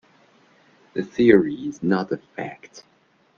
The theory is not a fact.